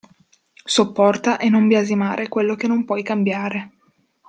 Sopporta e non biasimare quello che non puoi cambiare.